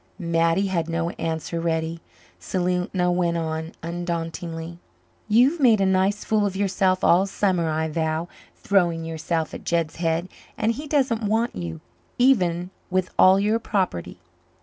Mattie had no answer ready. Selena went on undauntedly. "You've made a nice fool of yourself all summer, I vow. Throwing yourself at Jed's head and he doesn't want you, even with all your property."